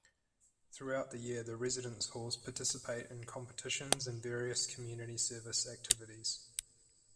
Throughout the year the residence halls participate in competitions and various community service activities.